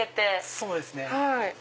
そうですね。